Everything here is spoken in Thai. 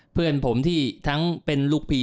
เพื่อนผมที่ทั้งเป็นลูกพี่